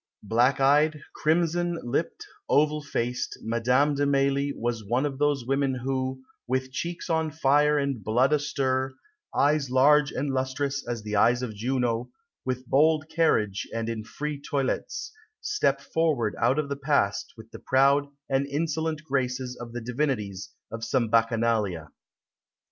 Black eyed, crimson lipped, oval faced, Madame de Mailly was one of those women who "with cheeks on fire, and blood astir, eyes large and lustrous as the eyes of Juno, with bold carriage and in free toilettes, step forward out of the past with the proud and insolent graces of the divinities of some Bacchanalia."